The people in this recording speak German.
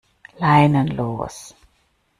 Leinen los!